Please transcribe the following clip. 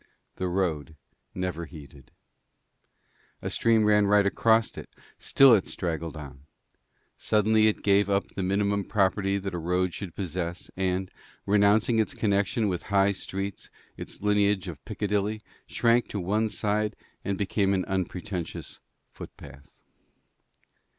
The road never heeded. A stream ran right across it, still it straggled on. Suddenly it gave up the minimum property that a road should possess, and, renouncing its connection with High Streets, its lineage of Piccadilly, shrank to one side and became an unpretentious footpath.